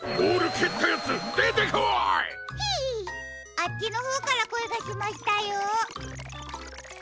あっちのほうからこえがしましたよ。